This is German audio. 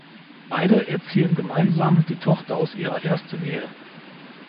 Beide erziehen gemeinsam die Tochter aus ihrer ersten Ehe.